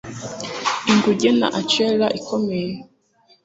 Inguge na Achille ikomeye